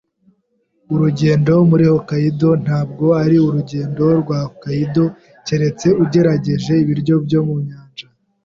Urugendo muri Hokkaido ntabwo ari urugendo rwa Hokkaido keretse ugerageje ibiryo byo mu nyanja